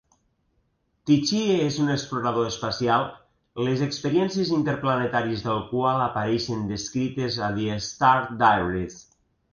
Tichy és un explorador espacial les experiències interplanetàries del qual apareixen descrites a "The Star Diaries".